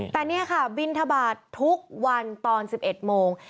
แต่นี่ค่ะบินทบาททุกวันตอน๑๑โมง